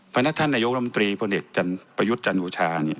พนักท่านนายกลมตรีพเอกประยุทธ์จันทร์วูชา